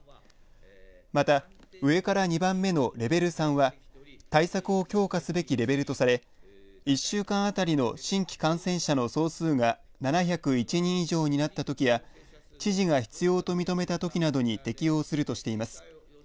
また、上から２番目のレベル３は対策を強化すべきレベルとされ１週間当たりの新規感染者の総数が７０１人以上になったときや知事が必要と認めたときなどに適用するとしています。